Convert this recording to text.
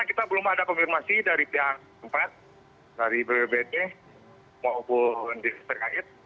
kita belum ada konfirmasi dari pihak empat dari bbbt maupun di sperkait